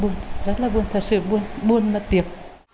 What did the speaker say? buồn rất là buồn thật sự buồn mất tiệc